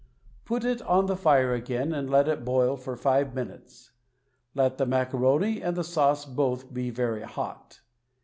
Put it on the fire again and let it boil for five min utes. Let the macaroni and the sauce both be very hot.